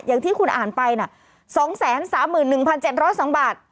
อย่างที่คุณอ่านไปน่ะสองแสนสามหมื่นหนึ่งพันเจ็ดร้อยสองบาท